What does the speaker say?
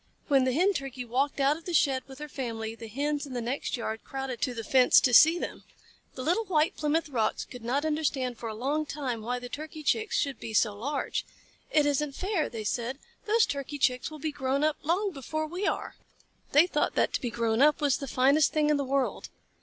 When the Hen Turkey walked out of the shed with her family, the Hens in the next yard crowded to the fence to see them. The little White Plymouth Rocks could not understand for a long time why the Turkey Chicks should be so large. "It isn't fair," they said. "Those Turkey Chicks will be grown up long before we are!" They thought that to be grown up was the finest thing in the world.